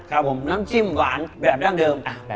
ส่วนน้ำกิ้นต้อนช่วยดังเมาะ